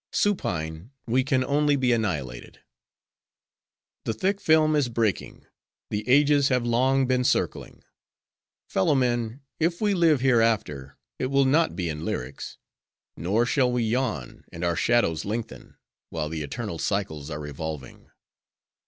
Supine we can only be, annihilated. "'The thick film is breaking; the ages have long been circling. Fellow men! if we live hereafter, it will not be in lyrics; nor shall we yawn, and our shadows lengthen, while the eternal cycles are revolving.